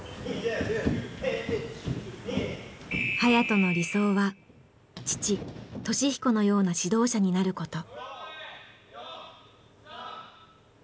颯人の理想は父稔彦のような指導者になること。